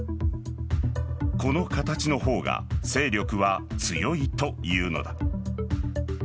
この形の方が勢力は強いというのだ。